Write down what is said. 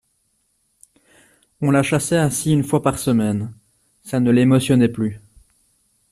On la chassait ainsi une fois par semaine ; ça ne l'émotionnait plus.